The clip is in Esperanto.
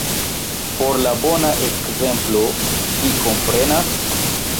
por la bona ekzemplo, vi komprenas?